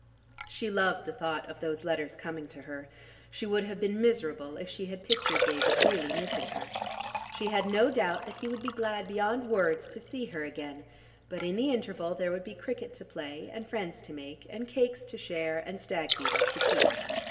She loved the thought of those letters coming to her; she would have been miserable if she had pictured David really missing her. She had no doubt that he would be glad beyond words to see her again, but in the interval there would be cricket to play, and friends to make, and cakes to share and stag beetles to keep.